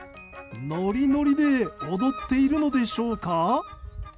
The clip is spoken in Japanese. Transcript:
ノリノリで踊っているのでしょうか？